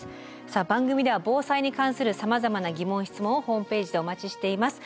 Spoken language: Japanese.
さあ番組では防災に関するさまざまな疑問・質問をホームページでお待ちしています。